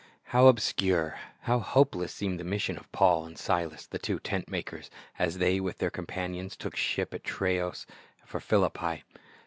How obscure, how hopeless, seemed the mission of Paul and Silas, the two tent makers, as they with their companions took ship at Troas for Philippi.